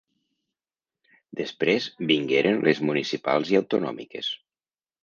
Després vingueren les municipals i autonòmiques.